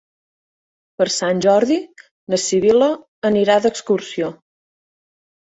Per Sant Jordi na Sibil·la anirà d'excursió.